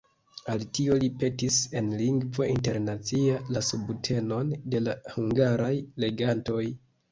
Al tio li petis en Lingvo Internacia la subtenon de la hungaraj legantoj.